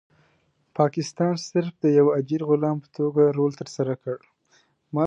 پاکستان صرف د یو اجیر غلام په توګه رول ترسره کړ.